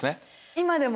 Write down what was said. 今でも？